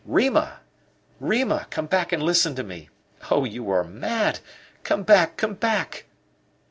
"Rima! Rima! Come back and listen to me! Oh, you are mad! Come back! Come back!"